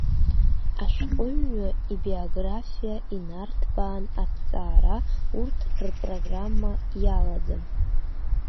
Ашәҟәыҩҩы ибиографиа инарҭбаан аҭҵаара урҭ рпрограмма иалаӡам.